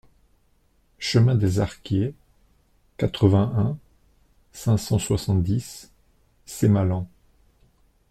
Chemin des Arquiés, quatre-vingt-un, cinq cent soixante-dix Sémalens